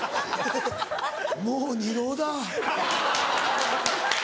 もう二浪だ。